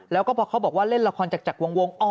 แล้วก็พอเขาบอกว่าเล่นละครจากวง